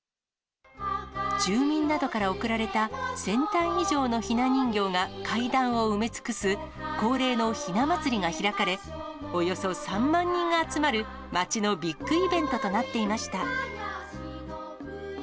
住民などから贈られた１０００体以上のひな人形が階段を埋め尽くす恒例のひな祭りが開かれ、およそ３万人が集まる、町のビッグイベントとなっていました。